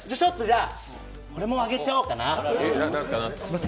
これもあげちゃおうかな。